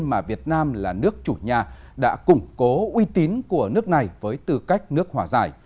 mà việt nam là nước chủ nhà đã củng cố uy tín của nước này với tư cách nước hòa giải